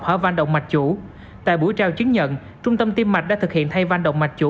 hỏa văn động mạch chủ tại buổi trao chứng nhận trung tâm tim mạch đã thực hiện thay văn động mạch chủ